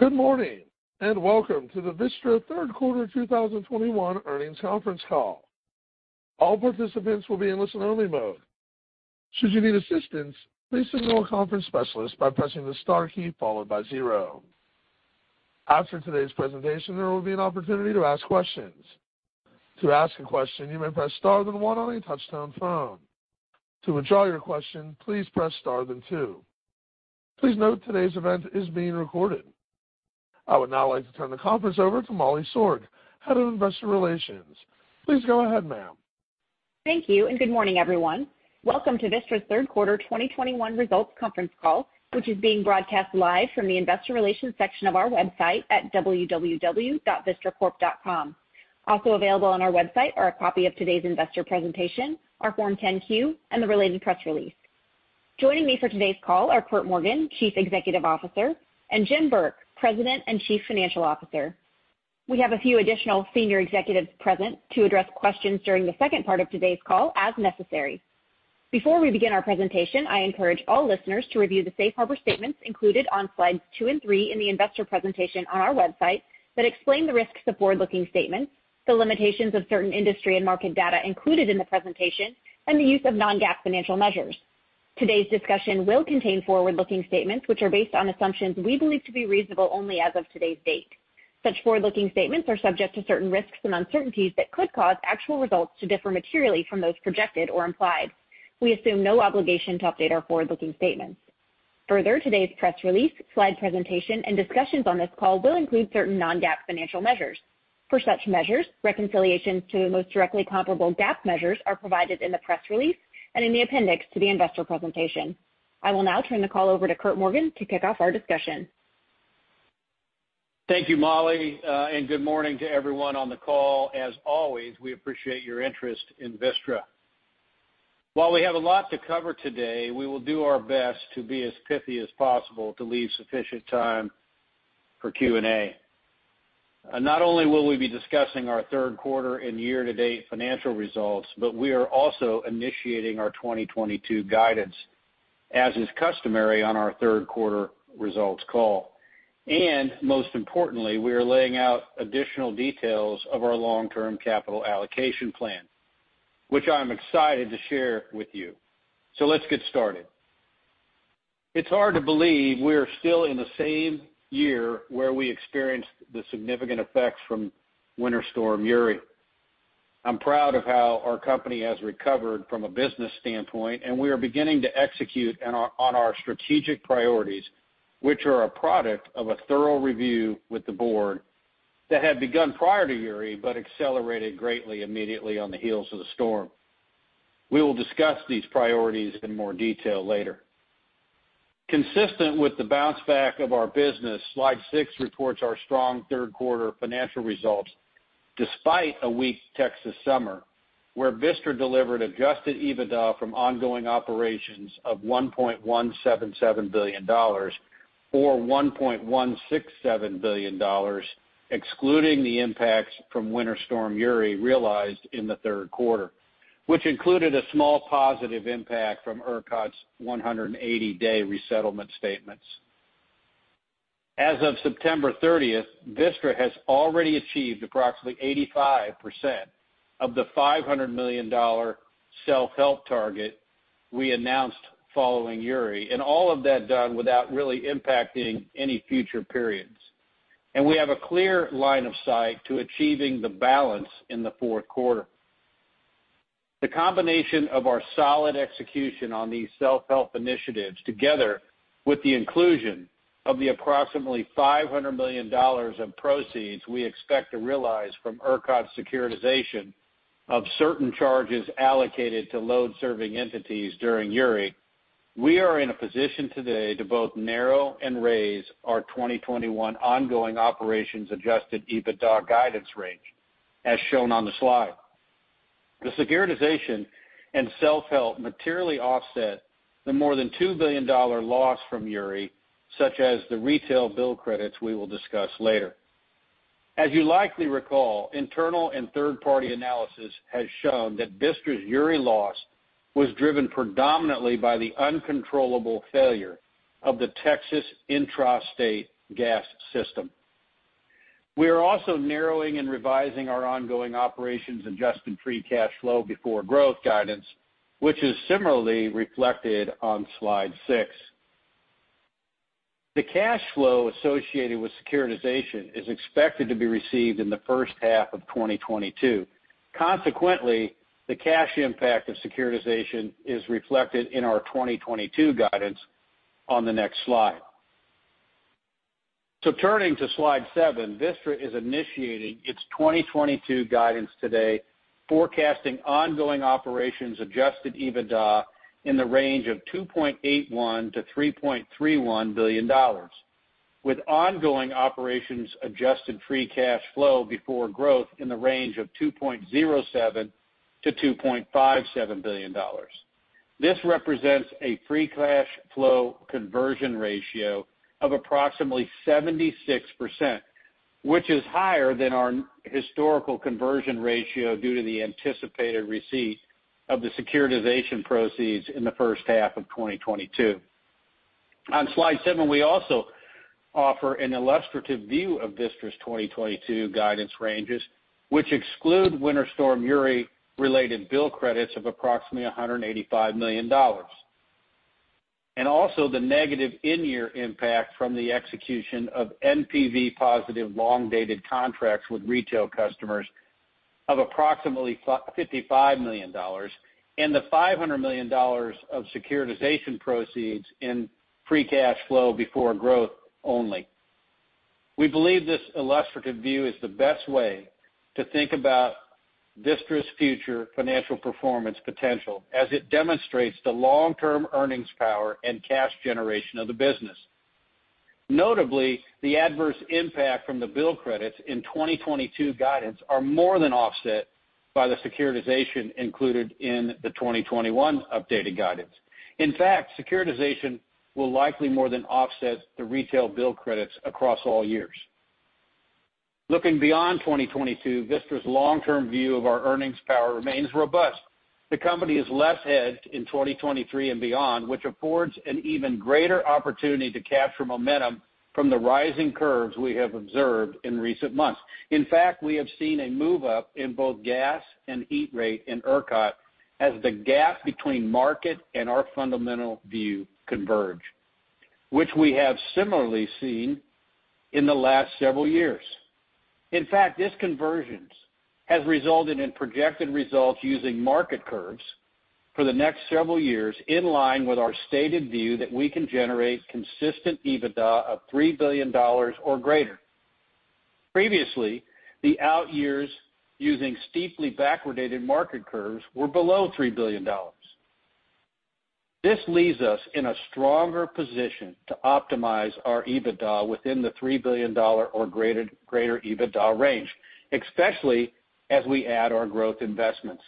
Good morning, and welcome to the Vistra third quarter 2021 earnings conference call. All participants will be in listen-only mode. Should you need assistance, please signal a conference specialist by pressing the Star key followed by zero. After today's presentation, there will be an opportunity to ask questions. To ask a question, you may press star then one on a touch-tone phone. To withdraw your question, please press Star then two. Please note today's event is being recorded. I would now like to turn the conference over to Molly Sorg, Head of Investor Relations. Please go ahead, ma'am. Thank you, and good morning, everyone. Welcome to Vistra's third quarter 2021 results conference call, which is being broadcast live from the investor relations section of our website at www.vistracorp.com. Also available on our website are a copy of today's investor presentation, our Form 10-Q, and the related press release. Joining me for today's call are Curt Morgan, Chief Executive Officer, and Jim Burke, President and Chief Financial Officer. We have a few additional senior executives present to address questions during the second part of today's call, as necessary. Before we begin our presentation, I encourage all listeners to review the safe harbor statements included on slides two and three in the investor presentation on our website that explain the risks of forward-looking statements, the limitations of certain industry and market data included in the presentation, and the use of non-GAAP financial measures. Today's discussion will contain forward-looking statements, which are based on assumptions we believe to be reasonable only as of today's date. Such forward-looking statements are subject to certain risks and uncertainties that could cause actual results to differ materially from those projected or implied. We assume no obligation to update our forward-looking statements. Further, today's press release, slide presentation, and discussions on this call will include certain non-GAAP financial measures. For such measures, reconciliations to the most directly comparable GAAP measures are provided in the press release and in the appendix to the investor presentation. I will now turn the call over to Curt Morgan to kick off our discussion. Thank you, Molly, and good morning to everyone on the call. As always, we appreciate your interest in Vistra. While we have a lot to cover today, we will do our best to be as pithy as possible to leave sufficient time for Q&A. Not only will we be discussing our third quarter and year-to-date financial results, but we are also initiating our 2022 guidance, as is customary on our third quarter results call. Most importantly, we are laying out additional details of our long-term capital allocation plan, which I am excited to share with you. Let's get started. It's hard to believe we are still in the same year where we experienced the significant effects from Winter Storm Uri. I'm proud of how our company has recovered from a business standpoint, and we are beginning to execute on our strategic priorities, which are a product of a thorough review with the board that had begun prior to Uri, but accelerated greatly immediately on the heels of the storm. We will discuss these priorities in more detail later. Consistent with the bounce back of our business, slide 6 reports our strong third quarter financial results, despite a weak Texas summer, where Vistra delivered adjusted EBITDA from ongoing operations of $1.177 billion or $1.167 billion, excluding the impacts from Winter Storm Uri realized in the third quarter, which included a small positive impact from ERCOT's 180-day resettlement statements. As of September 30, Vistra has already achieved approximately 85% of the $500 million self-help target we announced following Uri, and all of that done without really impacting any future periods. We have a clear line of sight to achieving the balance in the fourth quarter. The combination of our solid execution on these self-help initiatives, together with the inclusion of the approximately $500 million of proceeds we expect to realize from ERCOT's securitization of certain charges allocated to load-serving entities during Uri, we are in a position today to both narrow and raise our 2021 ongoing operations Adjusted EBITDA guidance range, as shown on the slide. The securitization and self-help materially offset the more than $2 billion loss from Uri, such as the retail bill credits we will discuss later. As you likely recall, internal and third-party analysis has shown that Vistra's Uri loss was driven predominantly by the uncontrollable failure of the Texas intrastate gas system. We are also narrowing and revising our ongoing operations Adjusted Free Cash Flow before Growth guidance, which is similarly reflected on slide six. The cash flow associated with securitization is expected to be received in the first half of 2022. Consequently, the cash impact of securitization is reflected in our 2022 guidance on the next slide. Turning to slide seven, Vistra is initiating its 2022 guidance today, forecasting ongoing operations Adjusted EBITDA in the range of $2.81 billion-$3.31 billion, with ongoing operations Adjusted Free Cash Flow before Growth in the range of $2.07 billion-$2.57 billion. This represents a free cash flow conversion ratio of approximately 76%. Which is higher than our historical conversion ratio due to the anticipated receipt of the securitization proceeds in the first half of 2022. On slide seven, we also offer an illustrative view of Vistra's 2022 guidance ranges, which exclude Winter Storm Uri related bill credits of approximately $185 million, and also the negative in-year impact from the execution of NPV positive long-dated contracts with retail customers of approximately $55 million and the $500 million of securitization proceeds in free cash flow before growth only. We believe this illustrative view is the best way to think about Vistra's future financial performance potential as it demonstrates the long-term earnings power and cash generation of the business. Notably, the adverse impact from the bill credits in 2022 guidance are more than offset by the securitization included in the 2021 updated guidance. In fact, securitization will likely more than offset the retail bill credits across all years. Looking beyond 2022, Vistra's long-term view of our earnings power remains robust. The company is less hedged in 2023 and beyond, which affords an even greater opportunity to capture momentum from the rising curves we have observed in recent months. In fact, we have seen a move up in both gas and heat rate in ERCOT as the gap between market and our fundamental view converge, which we have similarly seen in the last several years. In fact, this convergence has resulted in projected results using market curves for the next several years, in line with our stated view that we can generate consistent EBITDA of $3 billion or greater. Previously, the out years using steeply backwardated market curves were below $3 billion. This leaves us in a stronger position to optimize our EBITDA within the $3 billion or greater EBITDA range, especially as we add our growth investments.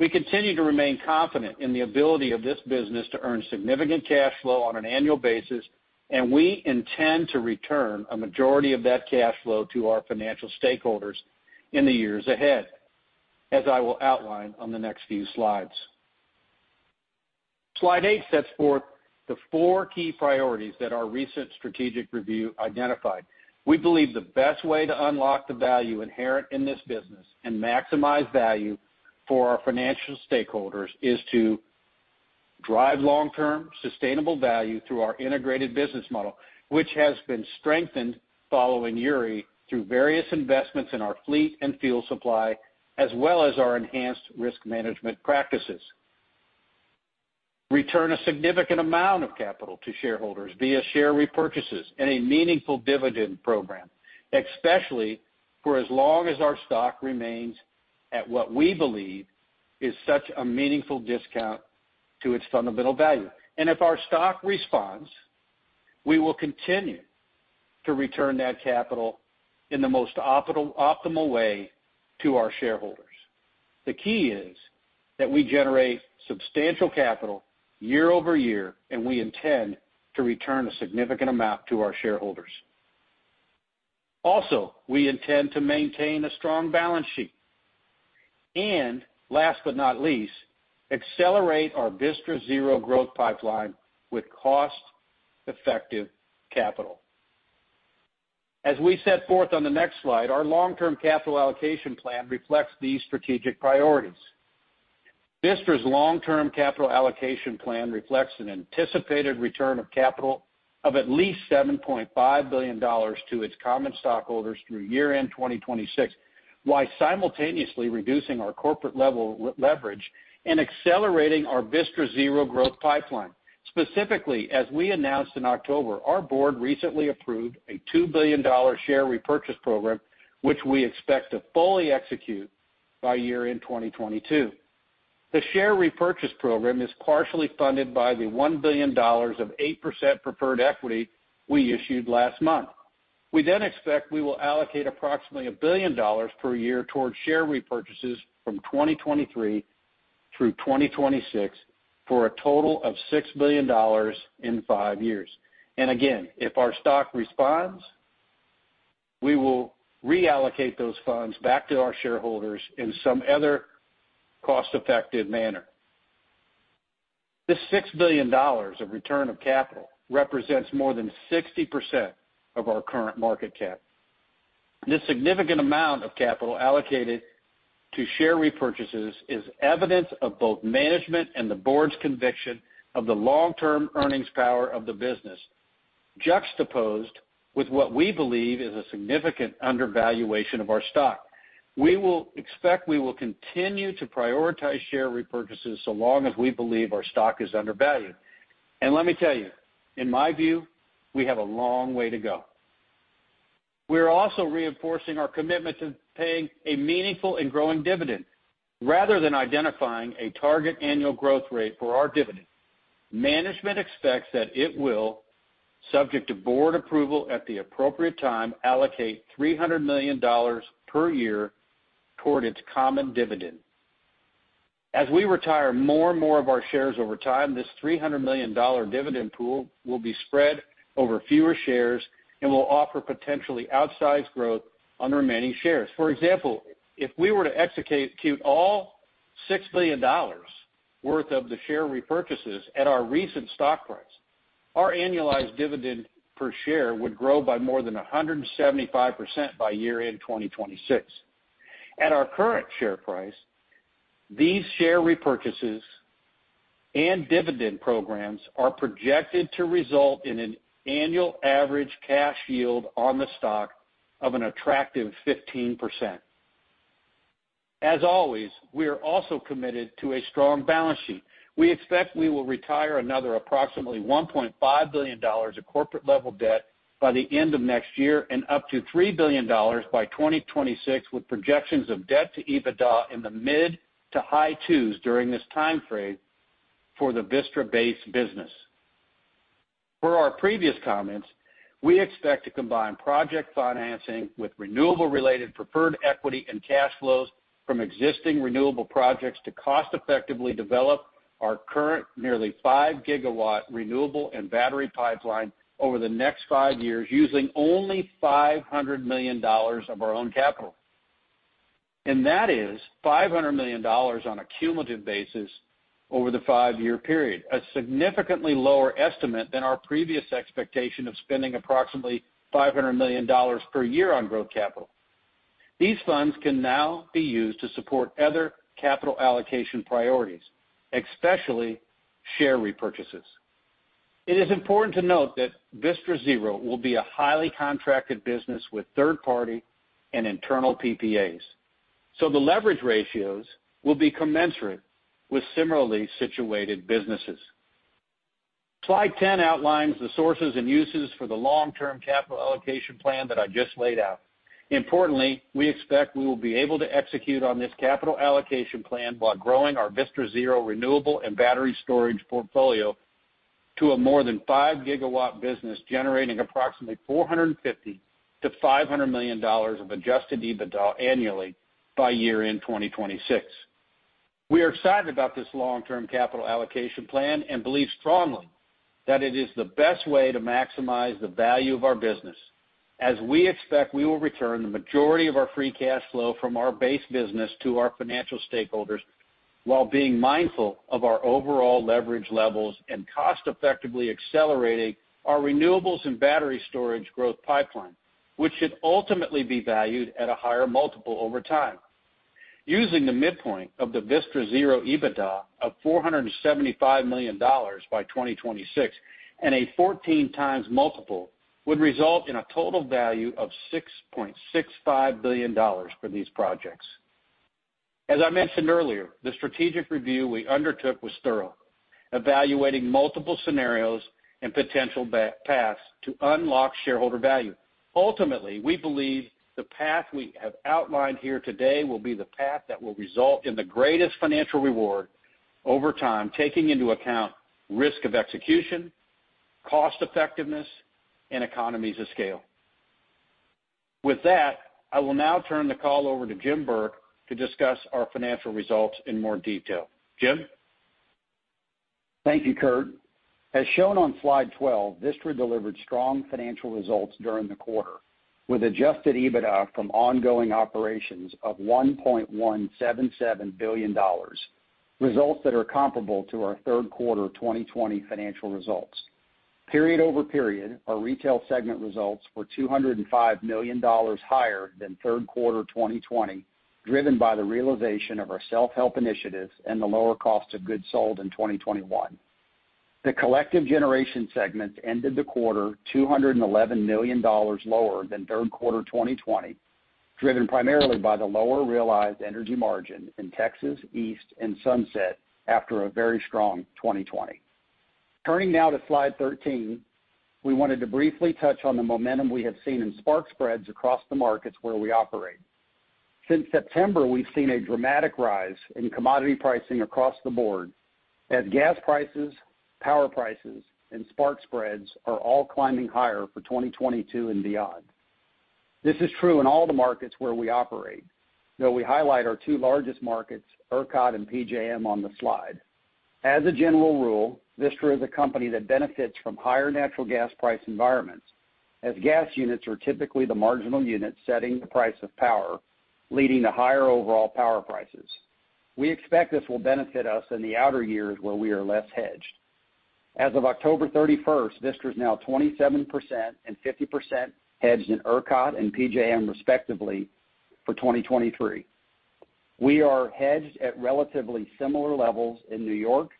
We continue to remain confident in the ability of this business to earn significant cash flow on an annual basis, and we intend to return a majority of that cash flow to our financial stakeholders in the years ahead, as I will outline on the next few slides. Slide 8 sets forth the 4 key priorities that our recent strategic review identified. We believe the best way to unlock the value inherent in this business and maximize value for our financial stakeholders is to drive long-term sustainable value through our integrated business model, which has been strengthened following Uri through various investments in our fleet and fuel supply, as well as our enhanced risk management practices. Return a significant amount of capital to shareholders via share repurchases and a meaningful dividend program, especially for as long as our stock remains at what we believe is such a meaningful discount to its fundamental value. If our stock responds, we will continue to return that capital in the most optimal way to our shareholders. The key is that we generate substantial capital year-over-year, and we intend to return a significant amount to our shareholders. Also, we intend to maintain a strong balance sheet. Last but not least, accelerate our Vistra Zero growth pipeline with cost-effective capital. As we set forth on the next slide, our long-term capital allocation plan reflects these strategic priorities. Vistra's long-term capital allocation plan reflects an anticipated return of capital of at least $7.5 billion to its common stockholders through year-end 2026, while simultaneously reducing our corporate level leverage and accelerating our Vistra Zero growth pipeline. Specifically, as we announced in October, our board recently approved a $2 billion share repurchase program, which we expect to fully execute by year-end 2022. The share repurchase program is partially funded by the $1 billion of 8% preferred equity we issued last month. We expect we will allocate approximately $1 billion per year towards share repurchases from 2023 through 2026, for a total of $6 billion in five years. Again, if our stock responds, we will reallocate those funds back to our shareholders in some other cost-effective manner. This $6 billion of return of capital represents more than 60% of our current market cap. This significant amount of capital allocated to share repurchases is evidence of both management and the board's conviction of the long-term earnings power of the business, juxtaposed with what we believe is a significant undervaluation of our stock. We will expect we will continue to prioritize share repurchases so long as we believe our stock is undervalued. Let me tell you, in my view, we have a long way to go. We are also reinforcing our commitment to paying a meaningful and growing dividend. Rather than identifying a target annual growth rate for our dividend, management expects that it will, subject to board approval at the appropriate time, allocate $300 million per year toward its common dividend. As we retire more and more of our shares over time, this $300 million dollar dividend pool will be spread over fewer shares and will offer potentially outsized growth on the remaining shares. For example, if we were to execute all $6 billion worth of the share repurchases at our recent stock price, our annualized dividend per share would grow by more than 175% by year-end 2026. At our current share price, these share repurchases and dividend programs are projected to result in an annual average cash yield on the stock of an attractive 15%. As always, we are also committed to a strong balance sheet. We expect we will retire another approximately $1.5 billion of corporate-level debt by the end of next year and up to $3 billion by 2026, with projections of debt to EBITDA in the mid- to high-2s during this time frame for the Vistra base business. Per our previous comments, we expect to combine project financing with renewable-related preferred equity and cash flows from existing renewable projects to cost effectively develop our current nearly 5 GW renewable and battery pipeline over the next five years, using only $500 million of our own capital. That is $500 million on a cumulative basis over the five-year period, a significantly lower estimate than our previous expectation of spending approximately $500 million per year on growth capital. These funds can now be used to support other capital allocation priorities, especially share repurchases. It is important to note that Vistra Zero will be a highly contracted business with third-party and internal PPAs, so the leverage ratios will be commensurate with similarly situated businesses. Slide 10 outlines the sources and uses for the long-term capital allocation plan that I just laid out. Importantly, we expect we will be able to execute on this capital allocation plan while growing our Vistra Zero renewable and battery storage portfolio to a more than 5 GW business, generating approximately $450 million-$500 million of adjusted EBITDA annually by year-end 2026. We are excited about this long-term capital allocation plan and believe strongly that it is the best way to maximize the value of our business, as we expect we will return the majority of our free cash flow from our base business to our financial stakeholders while being mindful of our overall leverage levels and cost effectively accelerating our renewables and battery storage growth pipeline, which should ultimately be valued at a higher multiple over time. Using the midpoint of the Vistra Zero EBITDA of $475 million by 2026 and a 14x multiple would result in a total value of $6.65 billion for these projects. As I mentioned earlier, the strategic review we undertook was thorough, evaluating multiple scenarios and potential paths to unlock shareholder value. Ultimately, we believe the path we have outlined here today will be the path that will result in the greatest financial reward over time, taking into account risk of execution, cost effectiveness, and economies of scale. With that, I will now turn the call over to Jim Burke to discuss our financial results in more detail. Jim? Thank you, Curt. As shown on slide 12, Vistra delivered strong financial results during the quarter, with Adjusted EBITDA from ongoing operations of $1.177 billion, results that are comparable to our third quarter of 2020 financial results. Period-over-period, our Retail segment results were $205 million higher than third quarter 2020, driven by the realization of our self-help initiatives and the lower cost of goods sold in 2021. The collective Generation segments ended the quarter $211 million lower than third quarter 2020, driven primarily by the lower realized energy margin in Texas, East, and Sunset after a very strong 2020. Turning now to slide 13, we wanted to briefly touch on the momentum we have seen in spark spreads across the markets where we operate. Since September, we've seen a dramatic rise in commodity pricing across the board as gas prices, power prices, and spark spreads are all climbing higher for 2022 and beyond. This is true in all the markets where we operate, though we highlight our two largest markets, ERCOT and PJM, on the slide. As a general rule, Vistra is a company that benefits from higher natural gas price environments, as gas units are typically the marginal units setting the price of power, leading to higher overall power prices. We expect this will benefit us in the outer years where we are less hedged. As of October 31, Vistra is now 27% and 50% hedged in ERCOT and PJM, respectively, for 2023. We are hedged at relatively similar levels in New York,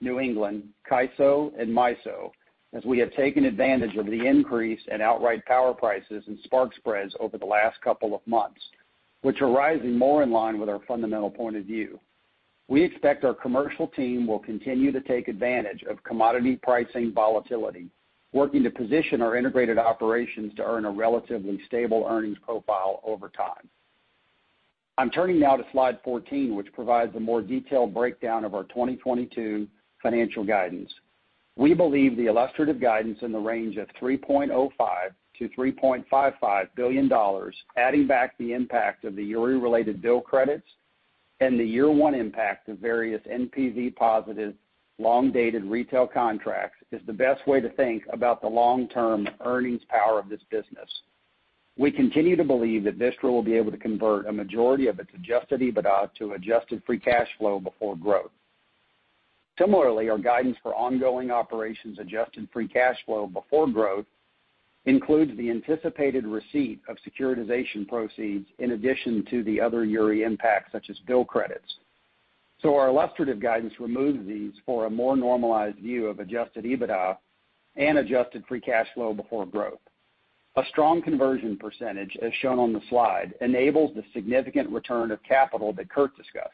New England, CAISO and MISO, as we have taken advantage of the increase in outright power prices and spark spreads over the last couple of months, which are rising more in line with our fundamental point of view. We expect our commercial team will continue to take advantage of commodity pricing volatility, working to position our integrated operations to earn a relatively stable earnings profile over time. I'm turning now to slide 14, which provides a more detailed breakdown of our 2022 financial guidance. We believe the illustrative guidance in the range of $3.05 billion-$3.55 billion, adding back the impact of the Uri-related bill credits and the year one impact of various NPV positive long-dated retail contracts is the best way to think about the long-term earnings power of this business. We continue to believe that Vistra will be able to convert a majority of its Adjusted EBITDA to Adjusted Free Cash Flow before Growth. Similarly, our guidance for ongoing operations Adjusted Free Cash Flow before Growth includes the anticipated receipt of securitization proceeds in addition to the other Uri impacts, such as bill credits. Our illustrative guidance removes these for a more normalized view of Adjusted EBITDA and Adjusted Free Cash Flow before Growth. A strong conversion percentage, as shown on the slide, enables the significant return of capital that Curt discussed,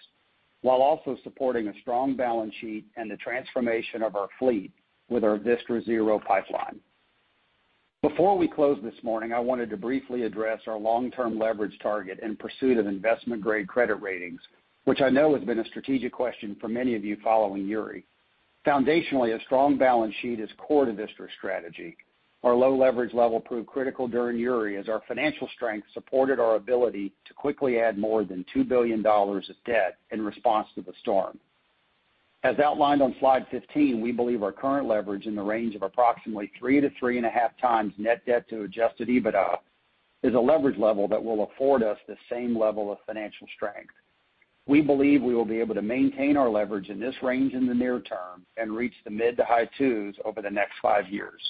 while also supporting a strong balance sheet and the transformation of our fleet with our Vistra Zero pipeline. Before we close this morning, I wanted to briefly address our long-term leverage target in pursuit of investment-grade credit ratings, which I know has been a strategic question for many of you following Uri. Foundationally, a strong balance sheet is core to Vistra's strategy. Our low leverage level proved critical during Uri as our financial strength supported our ability to quickly add more than $2 billion of debt in response to the storm. As outlined on slide 15, we believe our current leverage in the range of approximately 3-3.5 times net debt to adjusted EBITDA is a leverage level that will afford us the same level of financial strength. We believe we will be able to maintain our leverage in this range in the near term and reach the mid- to high 2s over the next 5 years.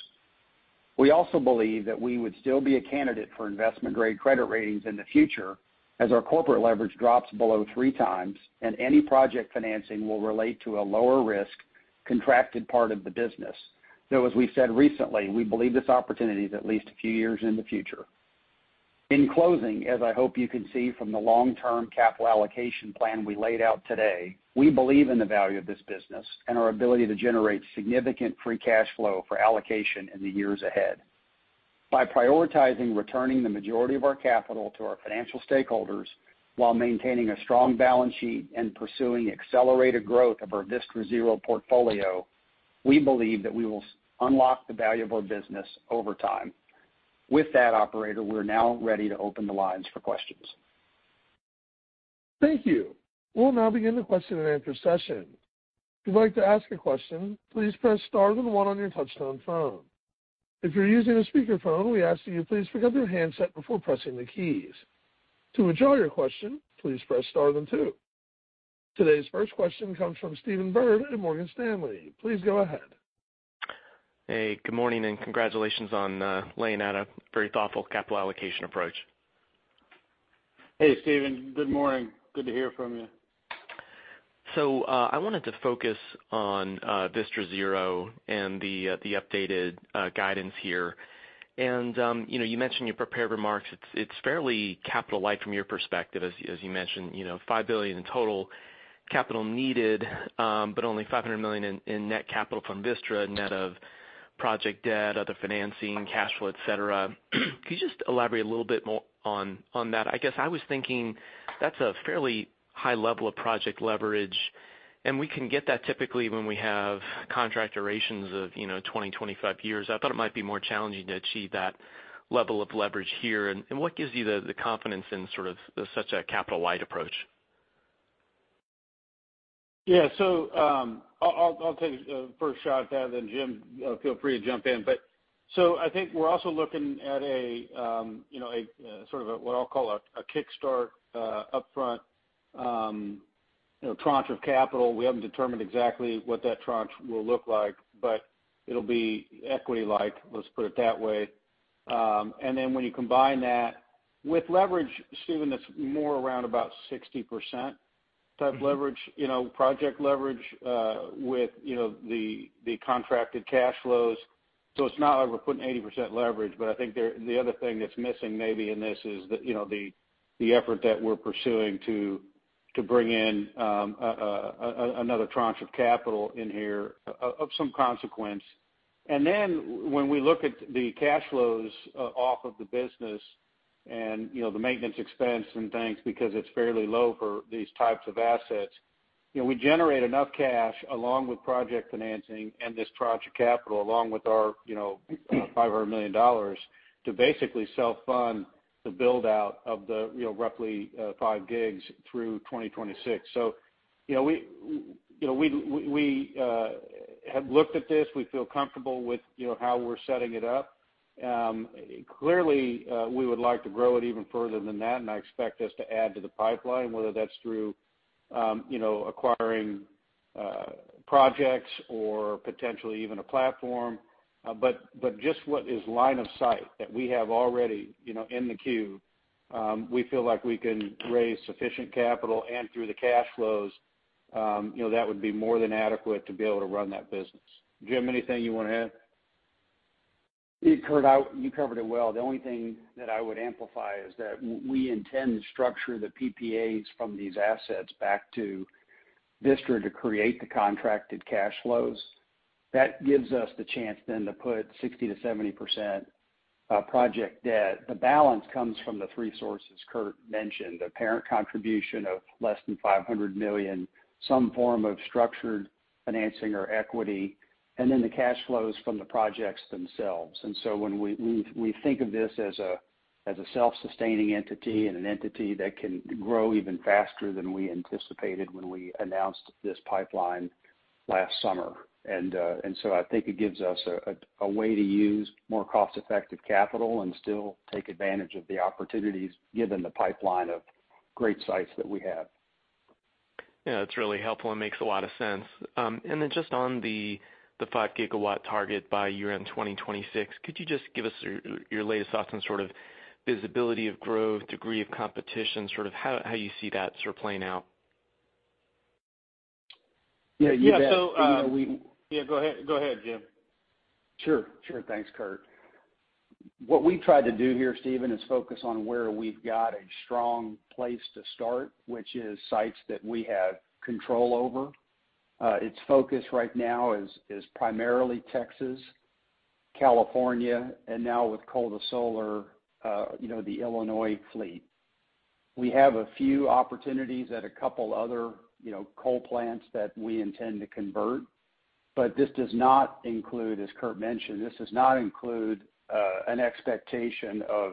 We also believe that we would still be a candidate for investment-grade credit ratings in the future as our corporate leverage drops below 3 times and any project financing will relate to a lower risk contracted part of the business. Though as we've said recently, we believe this opportunity is at least a few years in the future. In closing, as I hope you can see from the long-term capital allocation plan we laid out today, we believe in the value of this business and our ability to generate significant free cash flow for allocation in the years ahead. By prioritizing returning the majority of our capital to our financial stakeholders while maintaining a strong balance sheet and pursuing accelerated growth of our Vistra Zero portfolio, we believe that we will unlock the value of our business over time. With that, operator, we're now ready to open the lines for questions. Thank you. We'll now begin the question-and-answer session. If you'd like to ask a question, please press Star then one on your touchtone phone. If you're using a speakerphone, we ask that you please pick up your handset before pressing the keys. To withdraw your question, please press Star then two. Today's first question comes from Stephen Byrd at Morgan Stanley. Please go ahead. Hey, good morning, and congratulations on laying out a very thoughtful capital allocation approach. Hey, Stephen. Good morning. Good to hear from you. I wanted to focus on Vistra Zero and the updated guidance here. You know, you mentioned in your prepared remarks it's fairly capital light from your perspective, as you mentioned, you know, $5 billion in total capital needed, but only $500 million in net capital from Vistra, net of project debt, other financing, cash flow, et cetera. Could you just elaborate a little bit more on that? I guess I was thinking that's a fairly high level of project leverage, and we can get that typically when we have contract durations of, you know, 20-25 years. I thought it might be more challenging to achieve that level of leverage here. What gives you the confidence in sort of such a capital-light approach? Yeah. I'll take the first shot at that, and then Jim, feel free to jump in. I think we're also looking at a you know, sort of a what I'll call a kickstart, upfront, you know, tranche of capital. We haven't determined exactly what that tranche will look like, but it'll be equity-like, let's put it that way. And then when you combine that with leverage, Stephen, that's more around about 60% type leverage, you know, project leverage, with you know, the contracted cash flows. It's not like we're putting 80% leverage, but I think the other thing that's missing maybe in this is the you know, the effort that we're pursuing to bring in another tranche of capital in here of some consequence. Then when we look at the cash flows off of the business and, you know, the maintenance expense and things, because it's fairly low for these types of assets, you know, we generate enough cash along with project financing and this tranche of capital, along with our, you know, $500 million to basically self-fund the build-out of the, you know, roughly five gigs through 2026. You know, we have looked at this. We feel comfortable with, you know, how we're setting it up. Clearly, we would like to grow it even further than that, and I expect us to add to the pipeline, whether that's through, you know, acquiring projects or potentially even a platform. Just what is line of sight that we have already, you know, in the queue, we feel like we can raise sufficient capital and through the cash flows, you know, that would be more than adequate to be able to run that business. Jim, anything you wanna add? Yeah. Curt, you covered it well. The only thing that I would amplify is that we intend to structure the PPAs from these assets back to Vistra to create the contracted cash flows. That gives us the chance then to put 60%-70% project debt. The balance comes from the three sources Curt mentioned, the parent contribution of less than $500 million, some form of structured financing or equity, and then the cash flows from the projects themselves. I think it gives us a way to use more cost-effective capital and still take advantage of the opportunities given the pipeline of great sites that we have. Yeah, that's really helpful and makes a lot of sense. Then just on the 5 gigawatt target by year-end 2026, could you just give us your latest thoughts on sort of visibility of growth, degree of competition, sort of how you see that sort of playing out? Yeah, you bet. You know, Yeah. Go ahead, Jim. Sure, sure. Thanks, Curt. What we tried to do here, Stephen, is focus on where we've got a strong place to start, which is sites that we have control over. Its focus right now is primarily Texas, California, and now with Coal to Solar, you know, the Illinois fleet. We have a few opportunities at a couple other, you know, coal plants that we intend to convert, but this does not include, as Curt mentioned, an expectation of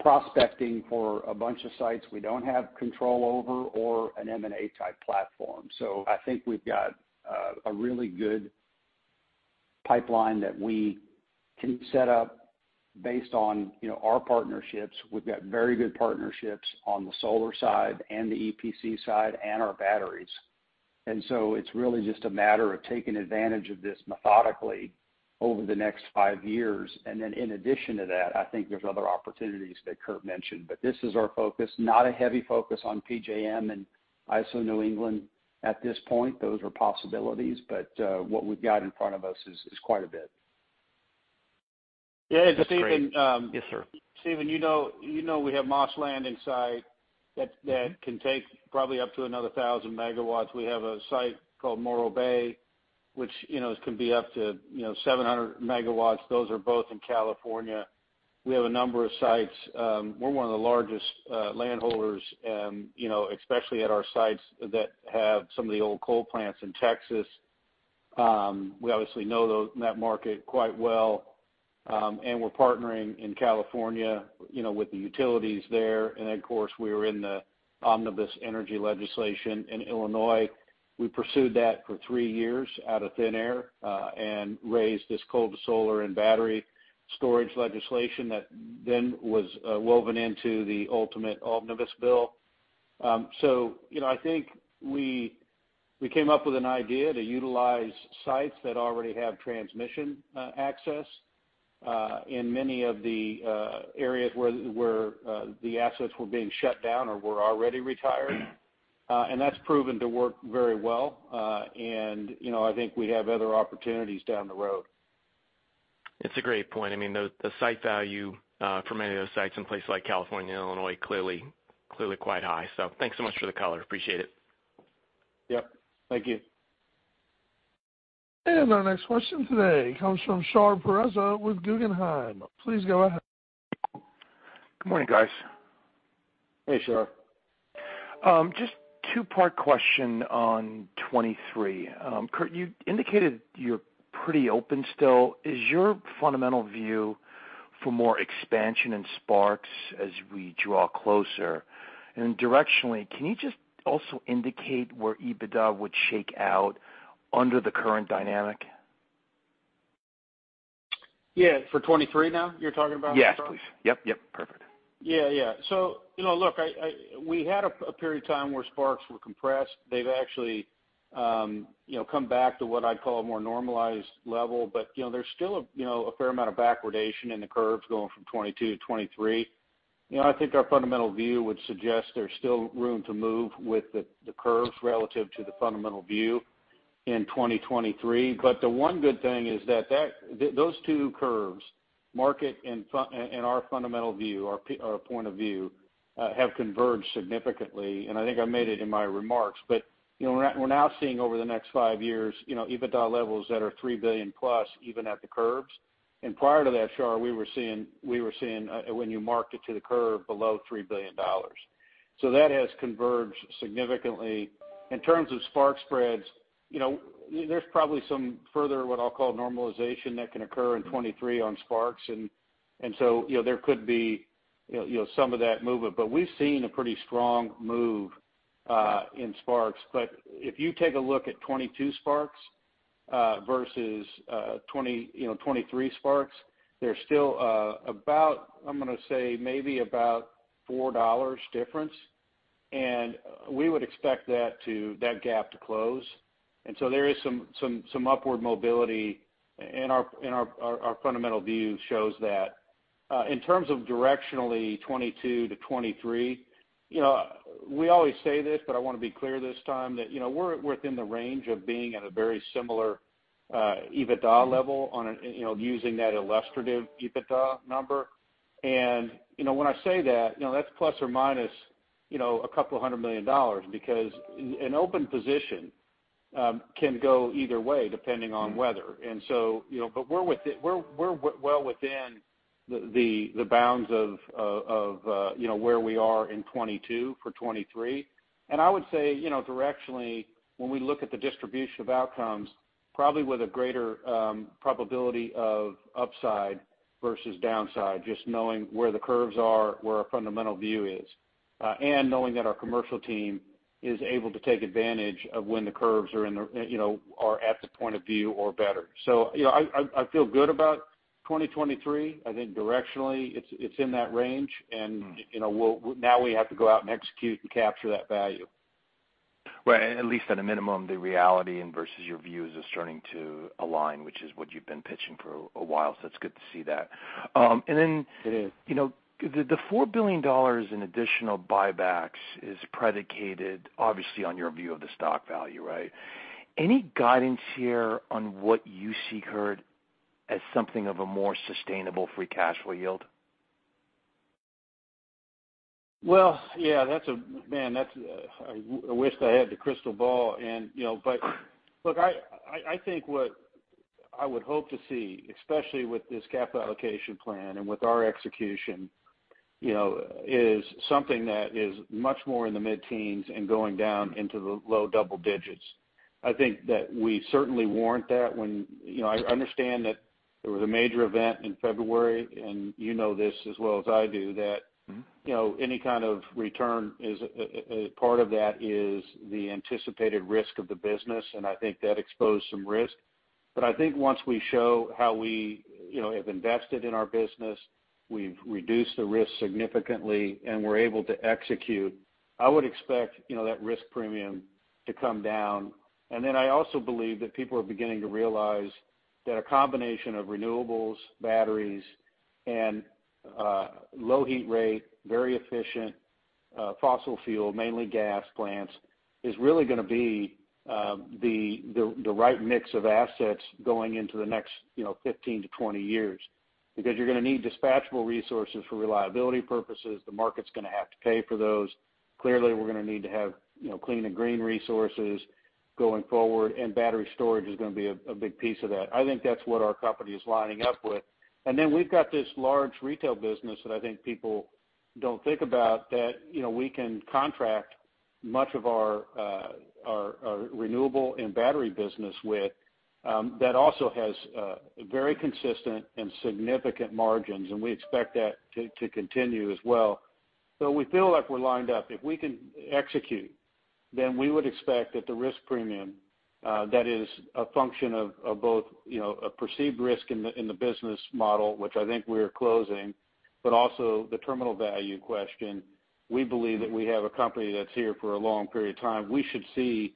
prospecting for a bunch of sites we don't have control over or an M&A type platform. I think we've got a really good pipeline that we can set up based on, you know, our partnerships. We've got very good partnerships on the solar side and the EPC side and our batteries. It's really just a matter of taking advantage of this methodically over the next five years. In addition to that, I think there's other opportunities that Curt mentioned. This is our focus, not a heavy focus on PJM and ISO New England at this point. Those are possibilities, but what we've got in front of us is quite a bit. That's great. Yeah. Stephen, Yes, sir. Stephen, you know we have Moss Landing site that can take probably up to another 1,000 MW. We have a site called Morro Bay, which, you know, can be up to, you know, 700 MW. Those are both in California. We have a number of sites. We're one of the largest landholders, you know, especially at our sites that have some of the old coal plants in Texas. We obviously know that market quite well, and we're partnering in California, you know, with the utilities there. Of course, we're in the omnibus energy legislation in Illinois. We pursued that for three years out of thin air, and raised this Coal to Solar and battery storage legislation that then was woven into the ultimate omnibus bill. You know, I think we came up with an idea to utilize sites that already have transmission access in many of the areas where the assets were being shut down or were already retired. You know, I think we have other opportunities down the road. It's a great point. I mean, the site value for many of those sites in places like California and Illinois is clearly quite high. Thanks so much for the color. Appreciate it. Yep. Thank you. Our next question today comes from Shahriar Pourreza with Guggenheim. Please go ahead. Good morning, guys. Hey, Shar. Just two-part question on 23. Curt, you indicated you're pretty open still. Is your fundamental view for more expansion in sparks as we draw closer? Directionally, can you just also indicate where EBITDA would shake out under the current dynamic? Yeah. For 2023 now, you're talking about, Shar? Yes, please. Yep, yep. Perfect. Yeah, yeah. You know, look, we had a period of time where spark spreads were compressed. They've actually, you know, come back to what I'd call a more normalized level. You know, there's still a fair amount of backwardation in the curves going from 2022 to 2023. You know, I think our fundamental view would suggest there's still room to move with the curves relative to the fundamental view in 2023. The one good thing is that those two curves, market and our fundamental view, our point of view, have converged significantly, and I think I made it in my remarks. You know, we're now seeing over the next five years, you know, EBITDA levels that are $3 billion+ even at the curves. Prior to that, Shar, we were seeing when you marked it to the curve, below $3 billion. That has converged significantly. In terms of spark spreads, you know, there's probably some further, what I'll call normalization, that can occur in 2023 on sparks. You know, some of that movement. We've seen a pretty strong move in sparks. If you take a look at 2022 sparks versus twenty, you know, 2023 sparks, there's still about, I'm gonna say maybe about $4 difference. We would expect that gap to close. There is some upward mobility, and our fundamental view shows that. In terms of directionally 2022-2023, you know, we always say this, but I wanna be clear this time that, you know, we're within the range of being at a very similar EBITDA level on a, you know, using that illustrative EBITDA number. You know, when I say that, you know, that's ± $200 million because an open position can go either way depending on weather. You know, but we're well within the bounds of where we are in 2022 for 2023. I would say, you know, directionally, when we look at the distribution of outcomes, probably with a greater probability of upside versus downside, just knowing where the curves are, where our fundamental view is, and knowing that our commercial team is able to take advantage of when the curves are in the, you know, are at the point of view or better. You know, I feel good about 2023. I think directionally it's in that range and, you know, we'll now have to go out and execute and capture that value. Right. At least at a minimum, the reality versus your views is starting to align, which is what you've been pitching for a while, so it's good to see that. It is. You know, the $4 billion in additional buybacks is predicated obviously on your view of the stock value, right? Any guidance here on what you see as something of a more sustainable free cash flow yield? Well, yeah, man, I wish I had the crystal ball and, you know, but look, I think what I would hope to see, especially with this capital allocation plan and with our execution, you know, is something that is much more in the mid-teens and going down into the low double digits. I think that we certainly warrant that. You know, I understand that there was a major event in February, and you know this as well as I do, that. You know, any kind of return is part of that is the anticipated risk of the business, and I think that exposed some risk. I think once we show how we, you know, have invested in our business, we've reduced the risk significantly and we're able to execute, I would expect, you know, that risk premium to come down. I also believe that people are beginning to realize that a combination of renewables, batteries, and low heat rate, very efficient fossil fuel, mainly gas plants, is really gonna be the right mix of assets going into the next, you know, 15-20 years because you're gonna need dispatchable resources for reliability purposes. The market's gonna have to pay for those. Clearly, we're gonna need to have, you know, clean and green resources going forward, and battery storage is gonna be a big piece of that. I think that's what our company is lining up with. Then we've got this large retail business that I think people don't think about that, you know, we can contract much of our our renewable and battery business with, that also has very consistent and significant margins, and we expect that to continue as well. We feel like we're lined up. If we can execute, then we would expect that the risk premium that is a function of both, you know, a perceived risk in the business model, which I think we're closing, but also the terminal value question. We believe that we have a company that's here for a long period of time. We should see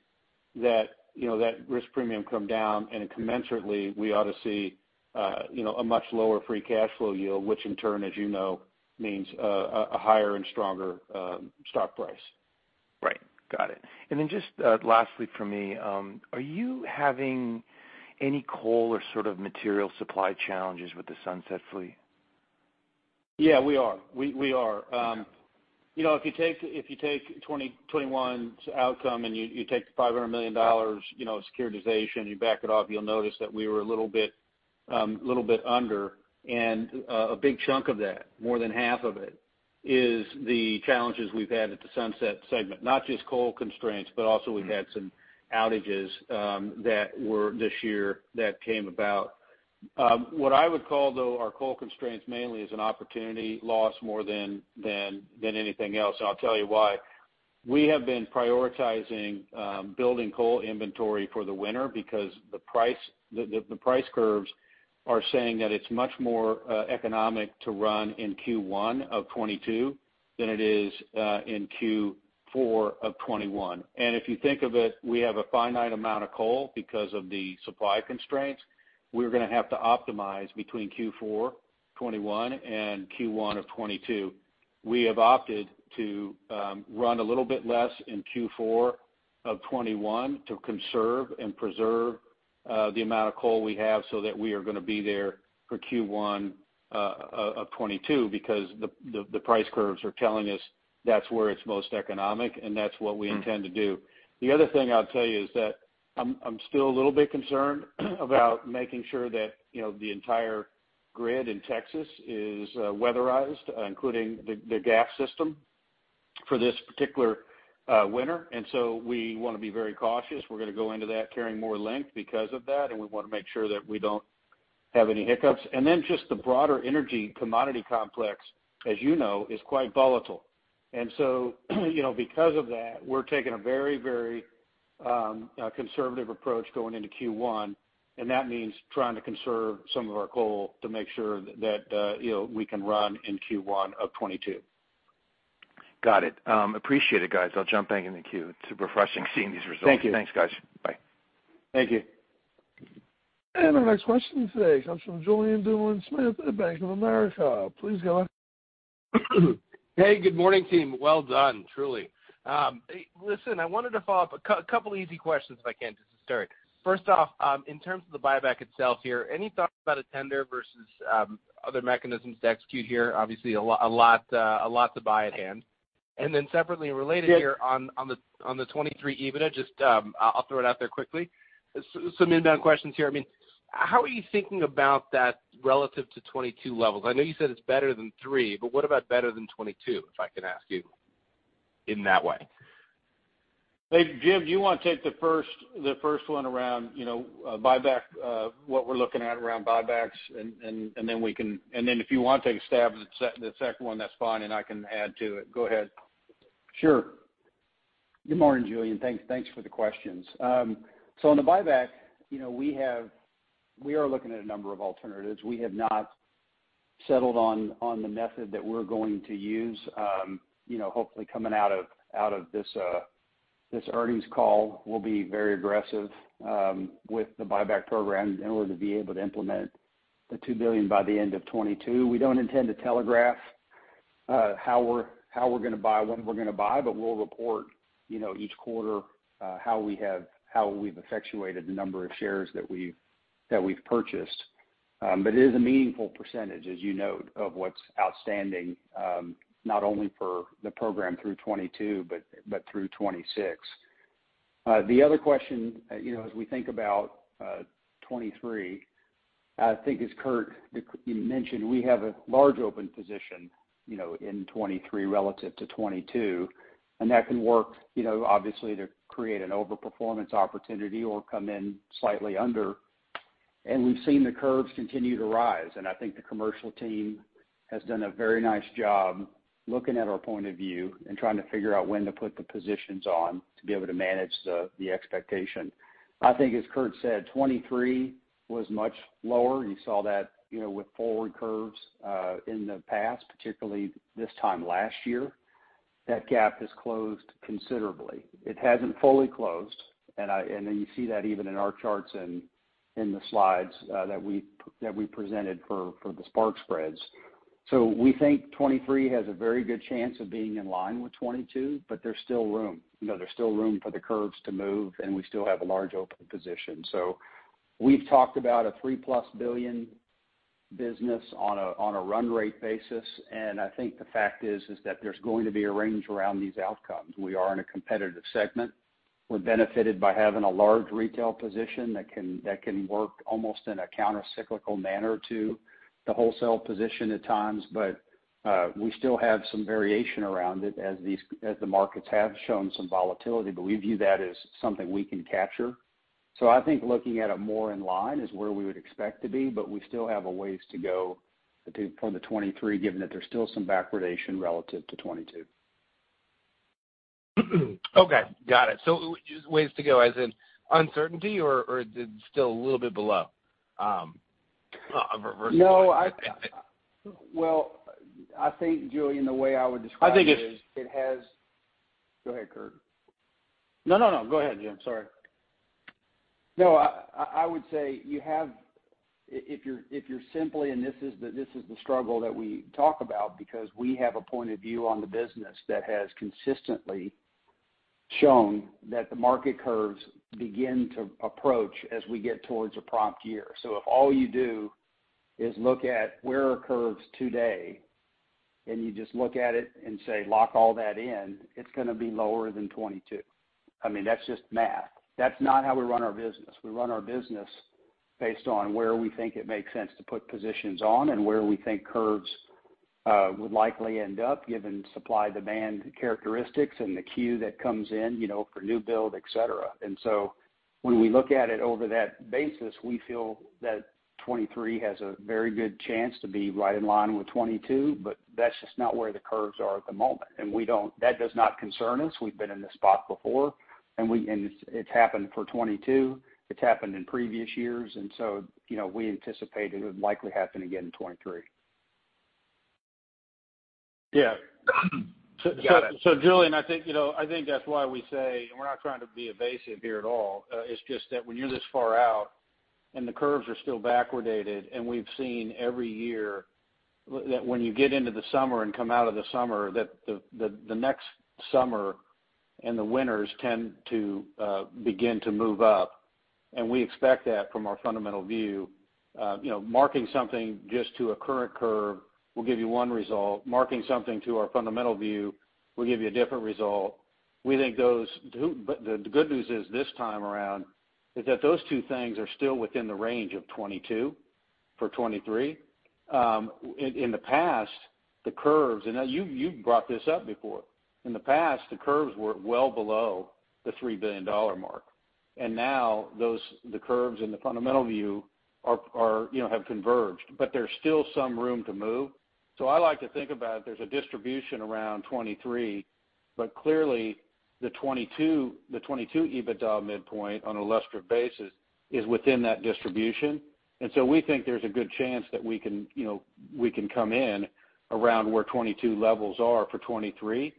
that, you know, that risk premium come down, and commensurately, we ought to see, you know, a much lower free cash flow yield, which in turn, as you know, means, a higher and stronger, stock price. Right. Got it. Just lastly from me, are you having any coal or sort of material supply challenges with the Sunset fleet? Yeah, we are. You know, if you take 2021's outcome and you take the $500 million securitization, you back it off, you'll notice that we were a little bit under, and a big chunk of that, more than half of it, is the challenges we've had at the Sunset segment, not just coal constraints, but also we've had some outages that were this year that came about. What I would call, though, our coal constraints mainly is an opportunity loss more than anything else. I'll tell you why. We have been prioritizing building coal inventory for the winter because the price curves are saying that it's much more economic to run in Q1 of 2022 than it is in Q4 of 2021. If you think of it, we have a finite amount of coal because of the supply constraints. We're gonna have to optimize between Q4 2021 and Q1 of 2022. We have opted to run a little bit less in Q4 of 2021 to conserve and preserve the amount of coal we have so that we are gonna be there for Q1 of 2022 because the price curves are telling us that's where it's most economic, and that's what we intend to do. The other thing I'll tell you is that I'm still a little bit concerned about making sure that you know the entire grid in Texas is weatherized including the gas system for this particular winter. We wanna be very cautious. We're gonna go into that carrying more length because of that, and we wanna make sure that we don't have any hiccups. Then just the broader energy commodity complex, as you know, is quite volatile. You know, because of that, we're taking a very conservative approach going into Q1, and that means trying to conserve some of our coal to make sure that, you know, we can run in Q1 of 2022. Got it. I appreciate it, guys. I'll jump back in the queue. It's refreshing seeing these results. Thank you. Thanks, guys. Bye. Thank you. Our next question today comes from Julien Dumoulin-Smith at Bank of America. Please go on. Hey, good morning, team. Well done, truly. Hey, listen, I wanted to follow up a couple easy questions if I can just to start. First off, in terms of the buyback itself here, any thoughts about a tender versus other mechanisms to execute here? Obviously a lot to buy at hand. Then separately and related here on the 2023 EBITDA, just I'll throw it out there quickly. Some inbound questions here. I mean, how are you thinking about that relative to 2022 levels? I know you said it's better than 2023, but what about better than 2022, if I can ask you in that way? Hey, Jim, do you wanna take the first one around, you know, buyback, what we're looking at around buybacks? Then if you want to take a stab at the second one, that's fine, and I can add to it. Go ahead. Sure. Good morning, Julien. Thanks for the questions. So on the buyback, you know, we are looking at a number of alternatives. We have not settled on the method that we're going to use. You know, hopefully coming out of this earnings call, we'll be very aggressive with the buyback program in order to be able to implement the $2 billion by the end of 2022. We don't intend to telegraph how we're gonna buy, when we're gonna buy, but we'll report, you know, each quarter how we've effectuated the number of shares that we've purchased. But it is a meaningful percentage, as you note, of what's outstanding, not only for the program through 2022, but through 2026. The other question, you know, as we think about 2023, I think as Curt mentioned, we have a large open position, you know, in 2023 relative to 2022. That can work, you know, obviously to create an overperformance opportunity or come in slightly under. We've seen the curves continue to rise. I think the commercial team has done a very nice job looking at our point of view and trying to figure out when to put the positions on to be able to manage the expectation. I think as Curt said, 2023 was much lower. You saw that, you know, with forward curves in the past, particularly this time last year. That gap has closed considerably. It hasn't fully closed, and you see that even in our charts and in the slides that we presented for the spark spreads. We think 2023 has a very good chance of being in line with 2022, but there's still room. You know, there's still room for the curves to move, and we still have a large open position. We've talked about a $3+ billion business on a run rate basis. I think the fact is that there's going to be a range around these outcomes. We are in a competitive segment. We're benefited by having a large retail position that can work almost in a countercyclical manner to the wholesale position at times. We still have some variation around it as the markets have shown some volatility. We view that as something we can capture. I think looking at it more in line is where we would expect to be, but we still have a ways to go from the 2023, given that there's still some backwardation relative to 2022. Okay. Got it. Ways to go as in uncertainty or still a little bit below or versus. No, well, I think, Julian, the way I would describe it is, it has. Go ahead, Kurt. No, no. Go ahead, Jim. Sorry. No, I would say if you're simply, and this is the struggle that we talk about because we have a point of view on the business that has consistently shown that the market curves begin to approach as we get towards a prompt year. If all you do is look at where are curves today, and you just look at it and say, lock all that in, it's gonna be lower than 2022. I mean, that's just math. That's not how we run our business. We run our business based on where we think it makes sense to put positions on and where we think curves would likely end up given supply, demand characteristics and the queue that comes in, you know, for new build, et cetera. When we look at it over that basis, we feel that 2023 has a very good chance to be right in line with 2022, but that's just not where the curves are at the moment. That does not concern us. We've been in this spot before, and it's happened for 2022. It's happened in previous years. You know, we anticipate it would likely happen again in 2023. Yeah. Got it. Julien, I think, you know, I think that's why we say, and we're not trying to be evasive here at all. It's just that when you're this far out and the curves are still backwardated, and we've seen every year that when you get into the summer and come out of the summer, that the next summer and the winters tend to begin to move up. We expect that from our fundamental view. You know, marking something just to a current curve will give you one result. Marking something to our fundamental view will give you a different result. We think those. But the good news is this time around that those two things are still within the range of 2022 for 2023. In the past, the curves, and now you brought this up before. In the past, the curves were well below the $3 billion mark. Now, the curves and the fundamental view are, you know, have converged, but there's still some room to move. I like to think about there's a distribution around 2023, but clearly the 2022 EBITDA midpoint on an illustrative basis is within that distribution. We think there's a good chance that we can, you know, come in around where 2022 levels are for 2023.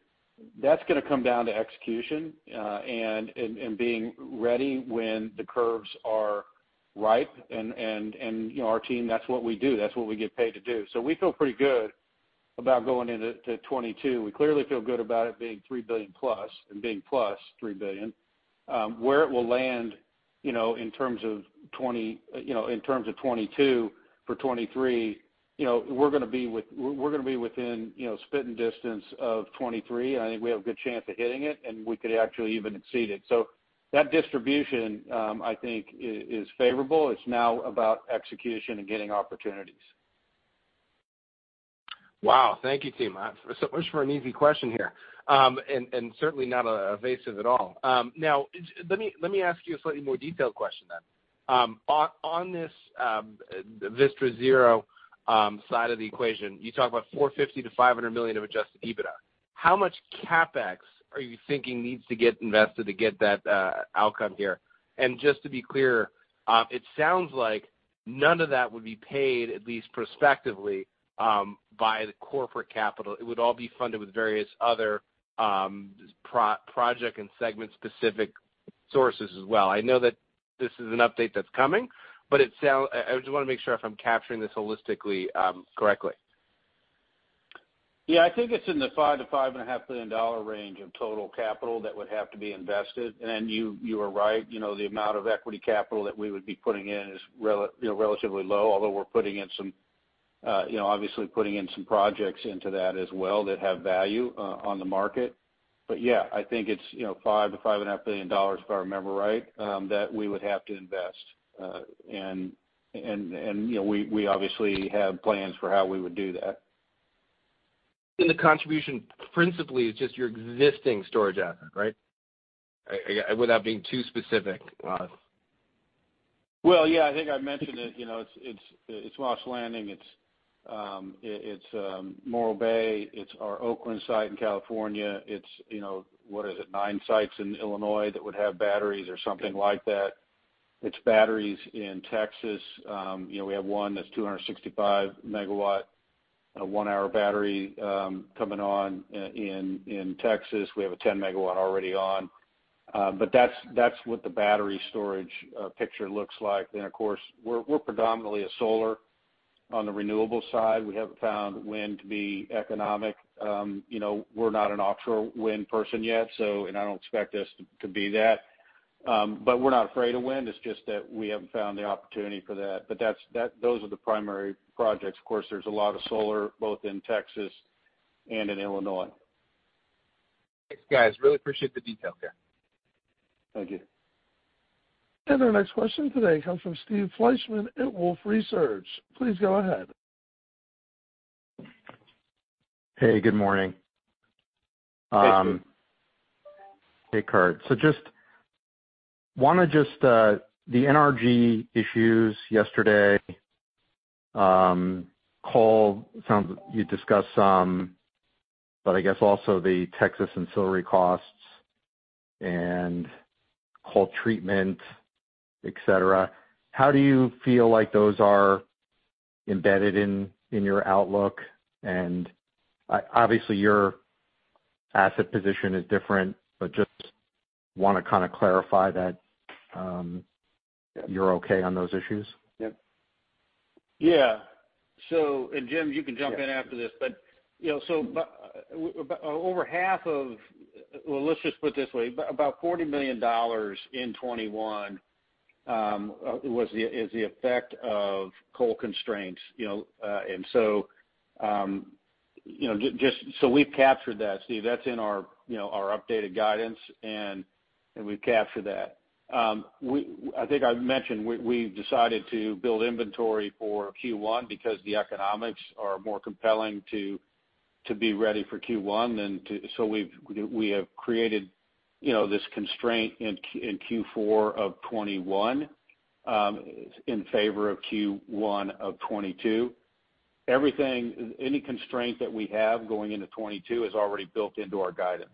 That's gonna come down to execution, and being ready when the curves are ripe and, you know, our team, that's what we do. That's what we get paid to do. We feel pretty good about going into 2022. We clearly feel good about it being $3 billion+ and being +$3 billion. Where it will land, you know, in terms of 22 for 23, you know, we're gonna be within, you know, spitting distance of 23. I think we have a good chance of hitting it, and we could actually even exceed it. That distribution, I think is favorable. It's now about execution and getting opportunities. Wow. Thank you, team. So much for an easy question here, and certainly not evasive at all. Now let me ask you a slightly more detailed question then. On this Vistra Zero side of the equation, you talk about $450 million-$500 million of adjusted EBITDA. How much CapEx are you thinking needs to get invested to get that outcome here? Just to be clear, it sounds like none of that would be paid, at least prospectively, by the corporate capital. It would all be funded with various other per-project and segment-specific sources as well. I know that this is an update that's coming, but I just wanna make sure if I'm capturing this holistically correctly. Yeah. I think it's in the $5 billion-$5.5 billion range of total capital that would have to be invested. You are right, you know, the amount of equity capital that we would be putting in is relatively low, although we're putting in some, you know, obviously putting in some projects into that as well that have value on the market. Yeah, I think it's, you know, $5 billion-$5.5 billion, if I remember right, that we would have to invest. And you know, we obviously have plans for how we would do that. The contribution principally is just your existing storage asset, right? Without being too specific. Well, yeah, I think I mentioned it, you know, it's Moss Landing, it's Morro Bay, it's our Oakland site in California. It's, you know, what is it, nine sites in Illinois that would have batteries or something like that. It's batteries in Texas. You know, we have one that's 265-MW one-hour battery coming on in Texas. We have a 10-MW already on. But that's what the battery storage picture looks like. Then of course, we're predominantly solar on the renewable side. We haven't found wind to be economic. You know, we're not an offshore wind person yet, so and I don't expect us to be that. But we're not afraid of wind. It's just that we haven't found the opportunity for that. But those are the primary projects. Of course, there's a lot of solar, both in Texas and in Illinois. Thanks, guys. Really appreciate the detail here. Thank you. Our next question today comes from Steve Fleishman at Wolfe Research. Please go ahead. Hey, good morning. Hey, Steve. Hey, Kurt. Just wanna the NRG issues yesterday call. Sounds like you discussed some, but I guess also the Texas ancillary costs and coal treatment, et cetera. How do you feel like those are embedded in your outlook? Obviously, your asset position is different, but just wanna kinda clarify that, you're okay on those issues. Jim, you can jump in after this. Over half of... Well, let's just put it this way. About $40 million in 2021 was the effect of coal constraints, you know. Just so we've captured that, Steve. That's in our updated guidance, and we've captured that. I think I've mentioned we've decided to build inventory for Q1 because the economics are more compelling to be ready for Q1 than to, so we have created this constraint in Q4 of 2021 in favor of Q1 of 2022. Any constraint that we have going into 2022 is already built into our guidance.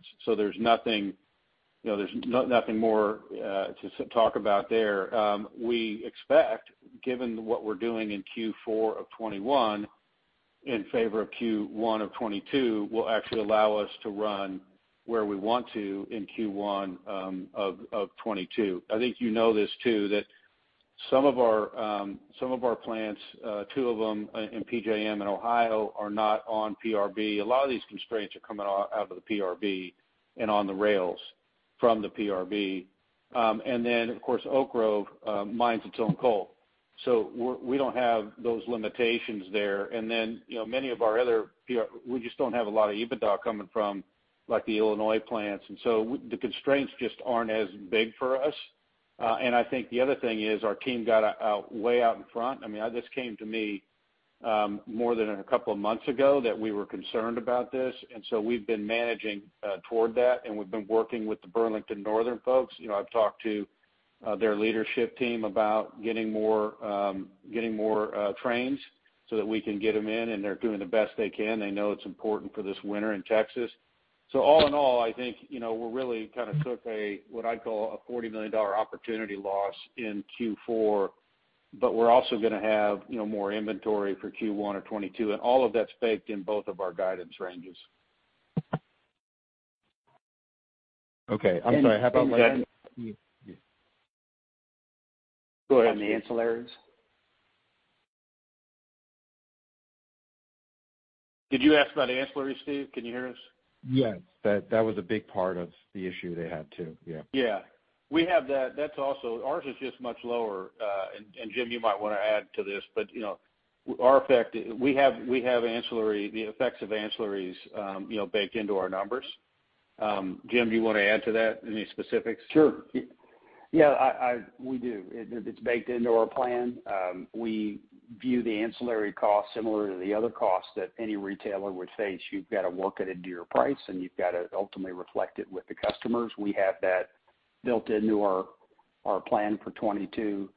There's nothing more to talk about there. We expect, given what we're doing in Q4 of 2021 in favor of Q1 of 2022, will actually allow us to run where we want to in Q1 of 2022. I think you know this too, that some of our plants, two of them in PJM in Ohio are not on PRB. A lot of these constraints are coming out of the PRB and on the rails from the PRB. Of course, Oak Grove mines its own coal. We don't have those limitations there. You know, many of our other we just don't have a lot of EBITDA coming from, like, the Illinois plants. The constraints just aren't as big for us. I think the other thing is our team got out, way out in front. I mean, this came to me more than a couple of months ago that we were concerned about this. We've been managing toward that, and we've been working with the Burlington Northern folks. You know, I've talked to their leadership team about getting more trains so that we can get them in, and they're doing the best they can. They know it's important for this winter in Texas. All in all, I think, you know, we're really kind of took a, what I'd call a $40 million opportunity loss in Q4, but we're also gonna have, you know, more inventory for Q1 of 2022, and all of that's baked in both of our guidance ranges. Okay. I'm sorry. Jim? Go ahead on the ancillaries? Did you ask about ancillary, Steve? Can you hear us? Yes. That was a big part of the issue they had too. Yeah. Yeah. We have that. That's also ours is just much lower. And Jim, you might wanna add to this, but you know, we have the effects of ancillaries, you know, baked into our numbers. Jim, do you wanna add to that? Any specifics? Sure. Yeah. We do. It's baked into our plan. We view the ancillary costs similar to the other costs that any retailer would face. You've gotta work it into your price, and you've gotta ultimately reflect it with the customers. We have that built into our plan for 2022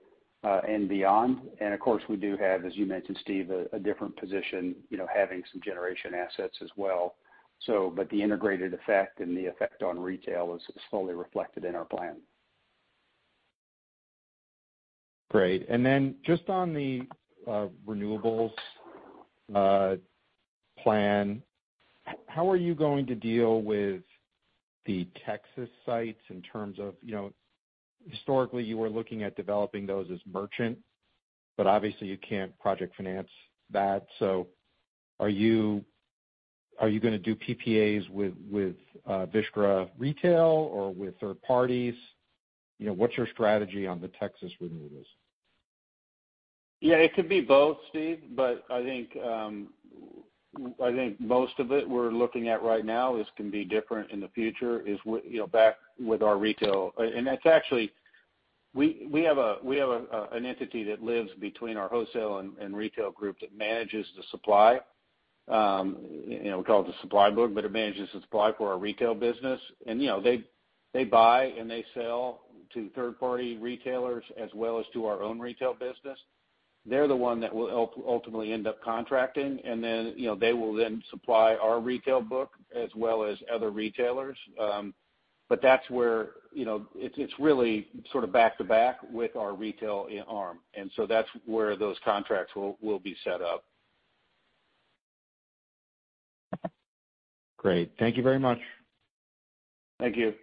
and beyond. Of course, we do have, as you mentioned, Steve, a different position, you know, having some generation assets as well. But the integrated effect and the effect on retail is fully reflected in our plan. Great. Then just on the renewables plan, how are you going to deal with the Texas sites in terms of, you know, historically you were looking at developing those as merchant, but obviously you can't project finance that. So are you gonna do PPAs with Vistra retail or with third parties? You know, what's your strategy on the Texas renewables? Yeah, it could be both, Steve. I think most of it we're looking at right now. This can be different in the future. It's you know, back with our retail. That's actually we have an entity that lives between our wholesale and retail group that manages the supply. You know, we call it the supply book, but it manages the supply for our retail business. You know, they buy and sell to third party retailers as well as to our own retail business. They're the one that will ultimately end up contracting and then, you know, they will then supply our retail book as well as other retailers. That's where, you know, it's really sort of back to back with our retail arm. That's where those contracts will be set up. Great. Thank you very much. Thank you.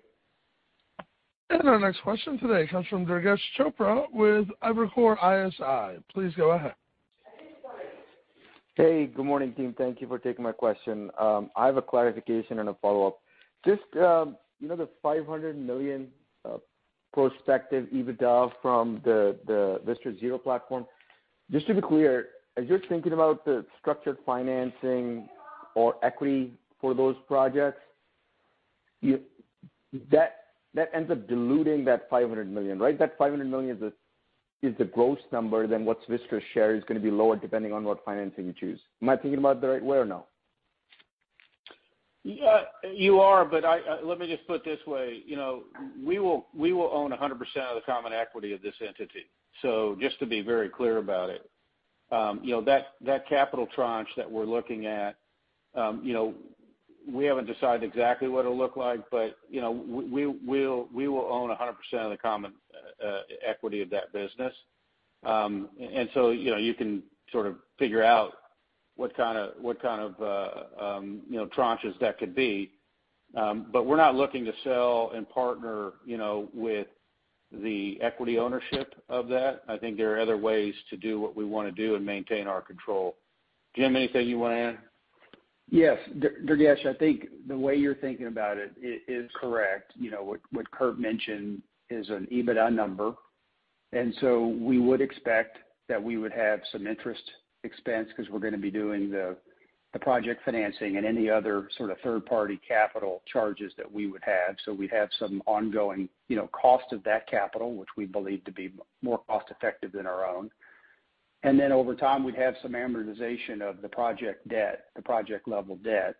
Our next question today comes from Durgesh Chopra with Evercore ISI. Please go ahead. Hey, good morning, team. Thank you for taking my question. I have a clarification and a follow-up. Just, you know, the $500 million prospective EBITDA from the Vistra Zero platform, just to be clear, as you're thinking about the structured financing or equity for those projects, that ends up diluting that $500 million, right? That $500 million is the gross number, then what's Vistra's share is gonna be lower depending on what financing you choose. Am I thinking about it the right way or no? Yeah, you are, but let me just put it this way. You know, we will own 100% of the common equity of this entity, so just to be very clear about it. You know, that capital tranche that we're looking at, you know, we haven't decided exactly what it'll look like, but, you know, we will own 100% of the common equity of that business. You know, you can sort of figure out what kind of tranches that could be. We're not looking to sell and partner, you know, with the equity ownership of that. I think there are other ways to do what we wanna do and maintain our control. Jim, anything you wanna add? Yes. Durgesh, I think the way you're thinking about it is correct. You know, what Curt mentioned is an EBITDA number. We would expect that we would have some interest expense because we're gonna be doing the project financing and any other sort of third-party capital charges that we would have. We'd have some ongoing, you know, cost of that capital, which we believe to be more cost effective than our own. Over time, we'd have some amortization of the project debt, the project level debt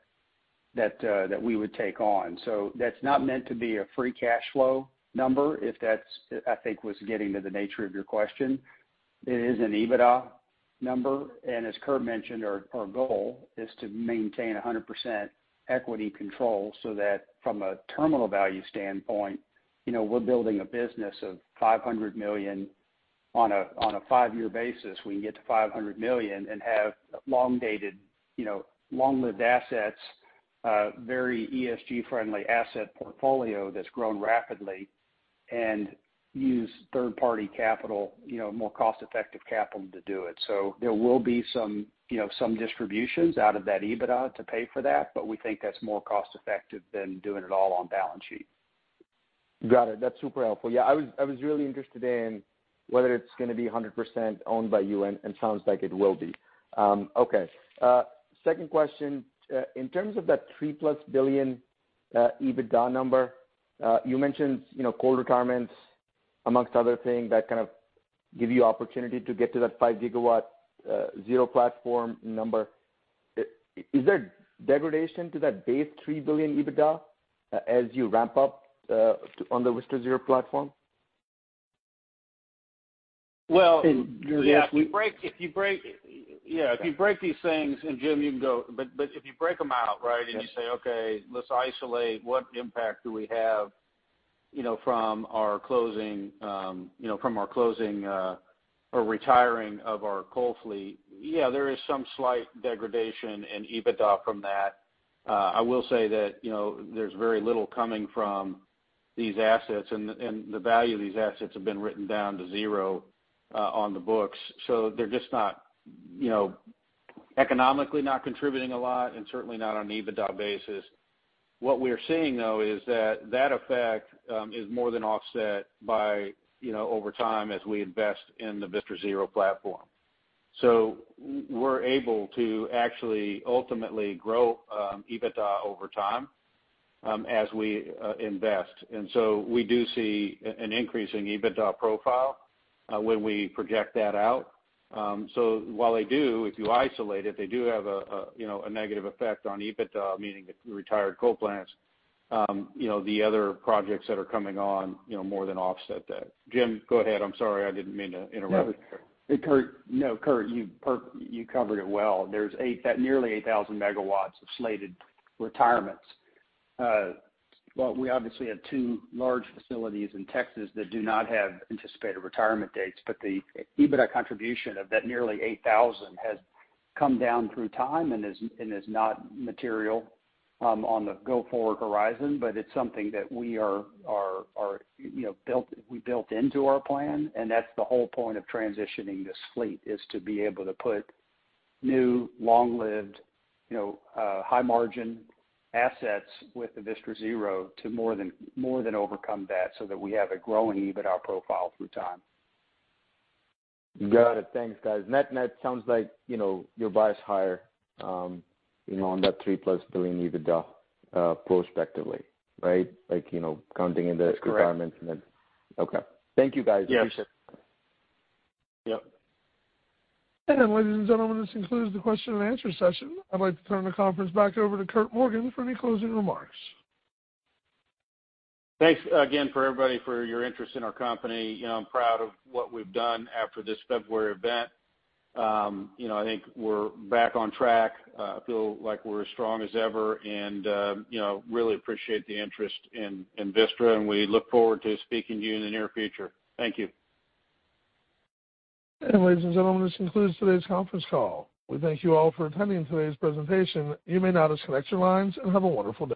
that we would take on. That's not meant to be a free cash flow number, if that's, I think, was getting to the nature of your question. It is an EBITDA number. As Curt mentioned, our goal is to maintain 100% equity control so that from a terminal value standpoint, you know, we're building a business of $500 million on a five-year basis. We can get to $500 million and have long-dated, you know, long-lived assets, very ESG-friendly asset portfolio that's grown rapidly and use third-party capital, you know, more cost-effective capital to do it. There will be some, you know, some distributions out of that EBITDA to pay for that, but we think that's more cost-effective than doing it all on balance sheet. Got it. That's super helpful. Yeah, I was really interested in whether it's gonna be 100% owned by you and sounds like it will be. Okay. Second question. In terms of that $3+ billion EBITDA number, you mentioned, you know, coal retirements among other things that kind of give you opportunity to get to that 5 GW Vistra Zero platform number. Is there degradation to that base $3 billion EBITDA as you ramp up on the Vistra Zero platform? Well- In- Yeah. If you break these things, and Jim you can go, but if you break them out, right? Yes. You say, okay, let's isolate what impact do we have, you know, from our closing or retiring of our coal fleet. Yeah, there is some slight degradation in EBITDA from that. I will say that, you know, there's very little coming from these assets and the value of these assets have been written down to zero on the books. So they're just not, you know, economically not contributing a lot and certainly not on EBITDA basis. What we're seeing, though, is that that effect is more than offset by, you know, over time as we invest in the Vistra Zero platform. So we're able to actually ultimately grow EBITDA over time as we invest. We do see an increase in EBITDA profile when we project that out. While they do, if you isolate it, they do have a, you know, a negative effect on EBITDA, meaning the retired coal plants, you know, the other projects that are coming on, you know, more than offset that. Jim, go ahead. I'm sorry. I didn't mean to interrupt. No. Curt, you covered it well. There are nearly 8,000 MW of slated retirements. We obviously have two large facilities in Texas that do not have anticipated retirement dates, but the EBITDA contribution of that nearly 8,000 has come down through time and is not material on the go-forward horizon, but it's something that we are, you know, we built into our plan, and that's the whole point of transitioning this fleet, is to be able to put new, long-lived, you know, high-margin assets with the Vistra Zero to more than overcome that so that we have a growing EBITDA profile through time. Got it. Thanks, guys. Net, net, sounds like, you know, your bias higher, you know, on that 3+3 EBITDA, prospectively, right? Like, you know, counting in the requirements and then- That's correct. Okay. Thank you, guys. Yes. Appreciate it. Yep. Ladies and gentlemen, this concludes the question-and-answer session. I'd like to turn the conference back over to Curt Morgan for any closing remarks. Thanks again for everybody for your interest in our company. You know, I'm proud of what we've done after this February event. You know, I think we're back on track. Feel like we're as strong as ever and, you know, really appreciate the interest in Vistra, and we look forward to speaking to you in the near future. Thank you. Ladies and gentlemen, this concludes today's conference call. We thank you all for attending today's presentation. You may now disconnect your lines and have a wonderful day.